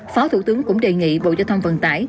phó thủ tướng cũng đề nghị bộ giao thông vận tải